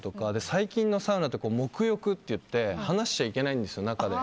最近のサウナって黙浴っていって話しちゃいけないんですよ、中で。